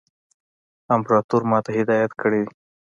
امپراطور ما ته هدایت کړی دی.